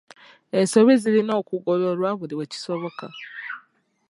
Ensobi zirina okugololwa buli we kisoboka.